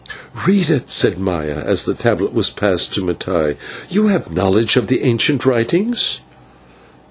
"Read it," said Maya, as the tablet was passed to Mattai, "you have knowledge of the ancient writings."